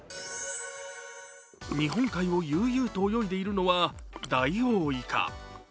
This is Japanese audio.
日本海を悠々と泳いでいるのはダイオウイカ。